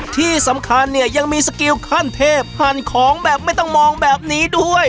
ที่สำคัญเนี่ยยังมีสกิลขั้นเทพหั่นของแบบไม่ต้องมองแบบนี้ด้วย